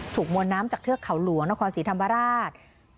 มวลน้ำจากเทือกเขาหลวงนครศรีธรรมราช